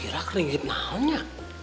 si ira keringin naunya